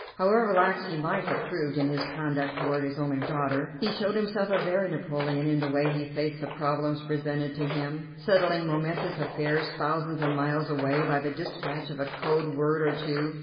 However lax he might have proved in his conduct toward his only daughter, he showed himself a very Napoleon in the way he faced the problems presented to him, settling momentous affairs thousands of miles away by the dispatch of a code word or two.